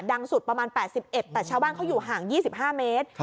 สุดประมาณ๘๑แต่ชาวบ้านเขาอยู่ห่าง๒๕เมตร